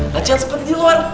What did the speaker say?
lajan seperti di luar